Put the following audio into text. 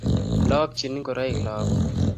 ilokchin ngoroik lakoik